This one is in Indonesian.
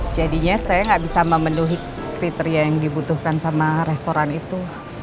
jadinya saya nggak bisa memenuhi kriteria yang dibutuhkan sama restoran itu